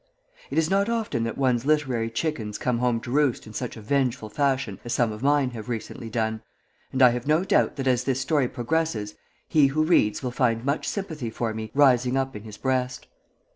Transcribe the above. It is not often that one's literary chickens come home to roost in such a vengeful fashion as some of mine have recently done, and I have no doubt that as this story progresses he who reads will find much sympathy for me rising up in his breast.